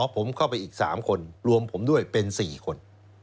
ผมเข้าไปอีก๓คนรวมผมด้วยเป็น๔คน